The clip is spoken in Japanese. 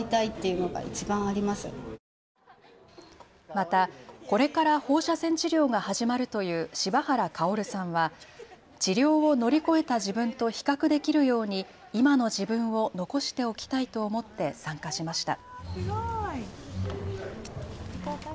また、これから放射線治療が始まるという芝原薫さんは治療を乗り越えた自分と比較できるように今の自分を残しておきたいと思って参加しました。